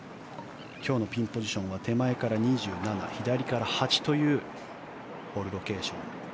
今日のピンポジションは手前から２７左から８というホールロケーション。